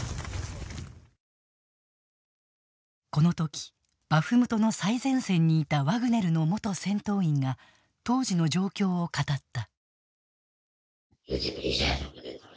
この時、バフムトの最前線にいたワグネルの元戦闘員が当時の状況を語った。